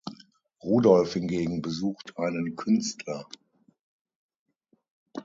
Rudolf hingegen besucht einen Künstler.